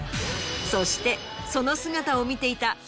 そしてその姿を見ていた。